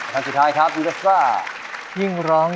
อยากแต่งานกับเธออยากแต่งานกับเธอ